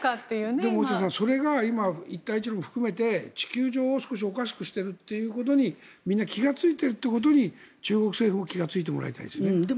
でも大下さん、それが今、一帯一路を含めて地球上を少しおかしくしていることにみんなが気がついていることに中国政府も気がついてもらいたいですね。